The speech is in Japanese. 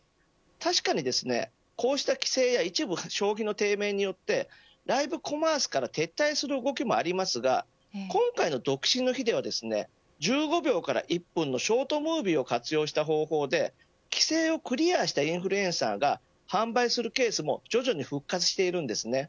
確かにこうした規制や一部消費の低迷によってライブコマースから撤退する動きもありますが今回の独身の日では１５秒から１分のショートムービーを活用した方法で規制をクリアしたインフルエンサーが販売するケースも徐々に復活しているんです。